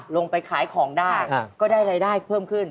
ลงไปขายของได้ก็ได้รายได้เพิ่มขึ้น